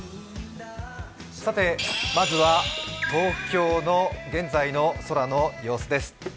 まずは東京の現在の空の様子です。